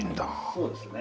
そうですね。